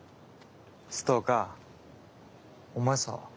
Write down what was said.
ストーカーお前さ